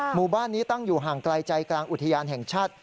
หมู่บ้านนี้ตั้งอยู่ห่างไกลใจกลางอุทยานแห่งชาติ